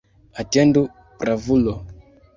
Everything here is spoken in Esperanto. Atendu, bravulo!